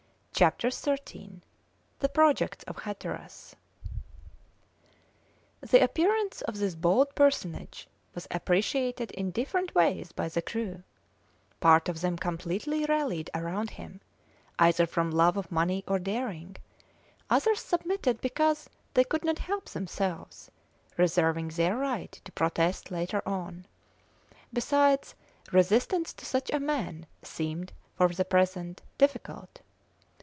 CHAPTER XIII THE PROJECTS OF HATTERAS The appearance of this bold personage was appreciated in different ways by the crew; part of them completely rallied round him, either from love of money or daring; others submitted because they could not help themselves, reserving their right to protest later on; besides, resistance to such a man seemed, for the present, difficult.